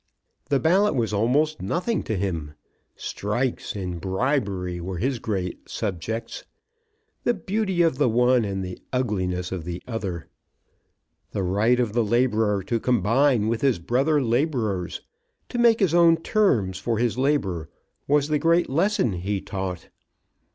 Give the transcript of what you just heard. The ballot was almost nothing to him. Strikes and bribery were his great subjects; the beauty of the one and the ugliness of the other. The right of the labourer to combine with his brother labourers to make his own terms for his labour, was the great lesson he taught.